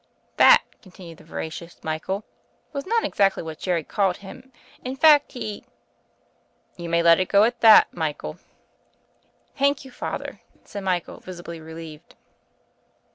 That," continued the veracious Michael, "was not exactly what Jerry called him, in fact, he " "You may let it go at that, Michael." 6o THE FAIRY OF THE SNOWS "Thank you, Father," said Michael, visibly relieved.